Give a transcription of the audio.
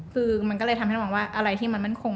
คือมันก็เลยทำให้มองว่าอะไรที่มันมั่นคง